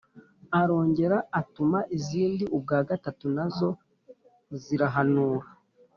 Arongera atuma izindi ubwa gatatu, na zo zirahanura.